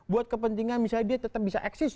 buat kepentingan misalnya dia tetap bisa eksis